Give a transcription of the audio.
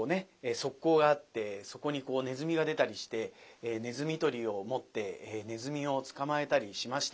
側溝があってそこにネズミが出たりしてネズミ捕りを持ってネズミを捕まえたりしました。